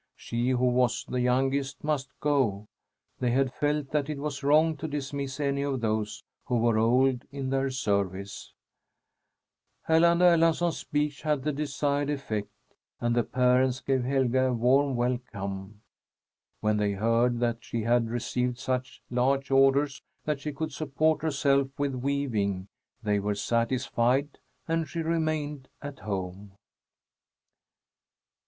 She, who was the youngest, must go. They had felt that it was wrong to dismiss any of those who were old in their service. Erland Erlandsson's speech had the desired effect, and the parents gave Helga a warm welcome. When they heard that she had received such large orders that she could support herself with weaving, they were satisfied, and she remained at home.